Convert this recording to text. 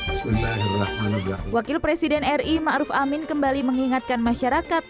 hai suami lahirrahmanuhlahu wakil presiden ri ma'ruf amin kembali mengingatkan masyarakat